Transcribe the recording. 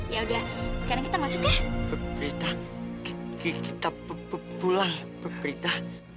ya udah sekarang kita masuk deh berita kita pulah berita